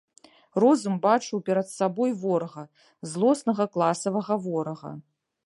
Розум бачыў перад сабой ворага, злоснага класавага ворага.